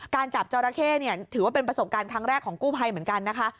การจับจรเข้ถือว่าเป็นประสงค์การครั้งแรกของกู้ภัยเหมือนกันนะคะ